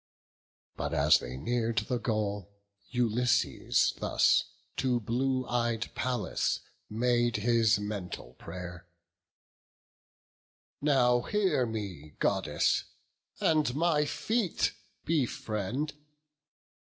But as they near'd the goal, Ulysses thus To blue ey'd Pallas made his mental pray'r: "Now hear me, Goddess, and my feet befriend."